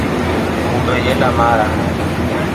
Humbe yelya mara.